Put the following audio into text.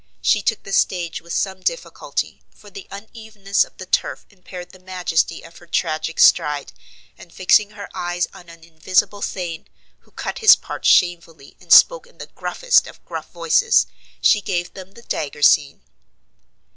She took the stage with some difficulty, for the unevenness of the turf impaired the majesty of her tragic stride, and fixing her eyes on an invisible Thane (who cut his part shamefully, and spoke in the gruffest of gruff voices) she gave them the dagger scene.